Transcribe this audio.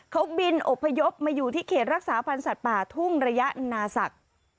เขาบินอบพยพมาอยู่ที่เขตรักษาพันธ์สัตว์ป่าทุ่งระยะนาศักดิ์